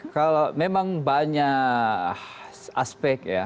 kalau memang banyak aspek ya